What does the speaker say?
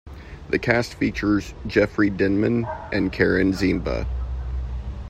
The cast features Jeffry Denman and Karen Ziemba.